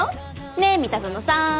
ねえ三田園さん。